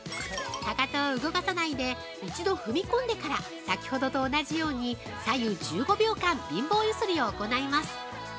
かかとを動かさないで一度踏み込んでから先ほどと同じように左右１５秒間貧乏ゆすりを行います。